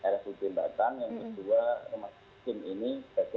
rs ubin batang yang kedua